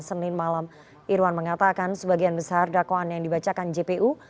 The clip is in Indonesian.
senin malam irwan mengatakan sebagian besar dakwaan yang dibacakan jpu